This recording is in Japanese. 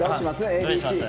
ＡＢＣ。